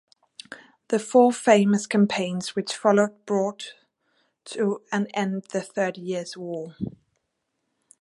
The four famous campaigns which followed brought to an end the Thirty Years' War.